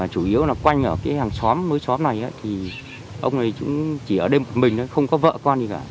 chủ yếu là quanh ở hàng xóm mối xóm này thì ông này chỉ ở đây một mình không có vợ con gì cả